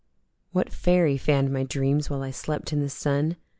What Fairy fann'd my dreams while I slept in the sun?